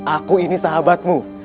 aku ini sahabatmu